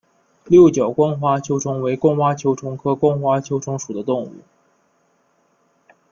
六角光滑球虫为光滑球虫科光滑球虫属的动物。